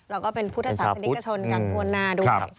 เราก็เป็นพุทธศาสตร์สนิกชนกันวนาดู